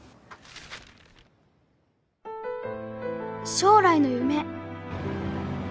「将来の夢」